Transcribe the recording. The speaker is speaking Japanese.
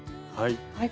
はい。